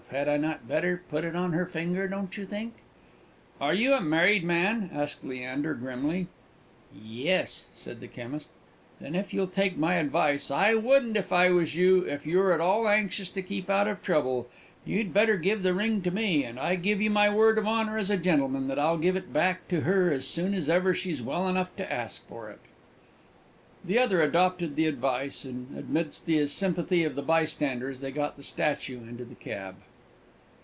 Had I not better put it on her finger, don't you think?" "Are you a married man?" asked Leander, grimly. "Yes," said the chemist. "Then, if you'll take my advice, I wouldn't if I was you if you're at all anxious to keep out of trouble. You'd better give the ring to me, and I give you my word of honour as a gentleman that I'll give it back to her as soon as ever she's well enough to ask for it." The other adopted the advice, and, amidst the sympathy of the bystanders, they got the statue into the cab.